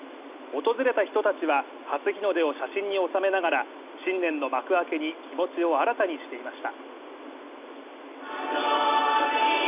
訪れた人たちは、初日の出を写真に収めながら新年の幕開けに気持ちを新たにしていました。